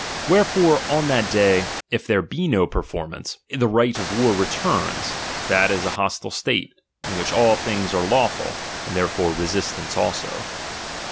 Wherefore on that day, if there be no performance, the right of war returns, that is a hostile state, in which all things are lawful, and therefore resistance also.